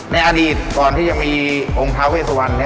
ในอดีตก่อนที่จะมีองค์ท้าเวสวัน